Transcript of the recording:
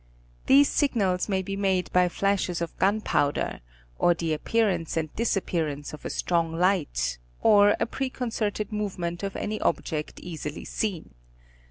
These signals may be made by flashes of gunpowder, or the appearance and disappearance of a strong light, or a pre concerted movement of any object easily seen.